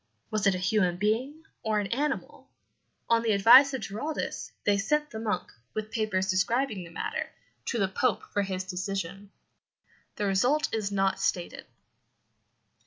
Was it a human being or an animal? On the advice of Giraldus they sent the monk, with papers describing the matter, to the Pope for his decision. The result is not stated.